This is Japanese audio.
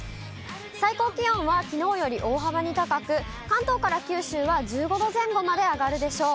最高気温はきのうより大幅に高く、関東から九州は１５度前後まで上がるでしょう。